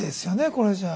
これじゃあ。